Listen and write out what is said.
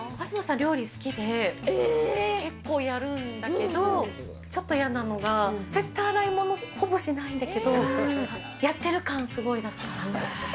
東さん料理好きで、結構やるんだけど、ちょっと嫌なのが、絶対、洗い物ほぼしないんだけど、やってる感、すごい出すの。